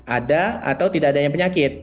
ada atau tidak adanya penyakit